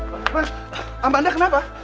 mas amanda kenapa